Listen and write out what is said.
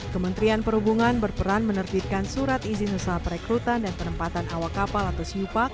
kementerian perhubungan berperan menerbitkan surat izin usaha perekrutan dan penempatan awak kapal atau siupa